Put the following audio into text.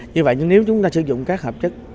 như vậy nhưng nếu chúng ta sử dụng các hợp chất